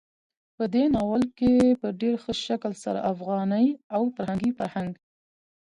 په دې ناول کې په ډېر ښه شکل سره افغاني او پښتني فرهنګ,